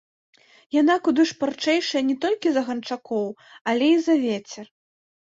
Яна куды шпарчэйшая не толькі за ганчакоў, але і за вецер.